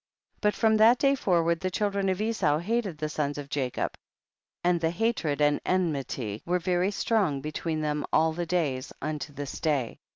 28. But from that day forward the children of Esau hated the sons of Jacob, and the hatred and enmity were very strong between them all the days, unto this day.